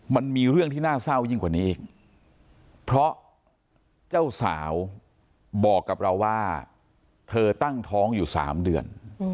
มันมีเรื่องที่น่าเศร้ายิ่งกว่านี้อีกเพราะเจ้าสาวบอกกับเราว่าเธอตั้งท้องอยู่๓เดือน